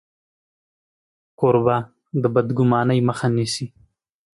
کوربه د بدګمانۍ مخه نیسي.